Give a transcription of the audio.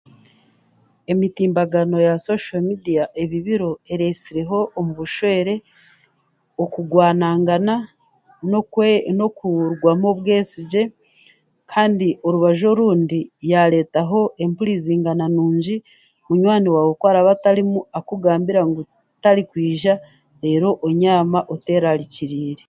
Emitimbagano ya shosho meediya ebi biro ereetsireho omu bushwere okugwanangana n'okwe n'okurugamu obwesigye kandi orubaju orundi yaareetaho empurizangana nungi, munywani waawe ku araaba atarimukugambira atari kwija reero onyama oteerarikiriire